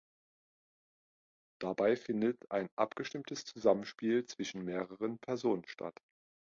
Dabei findet ein abgestimmtes Zusammenspiel zwischen mehreren Personen statt.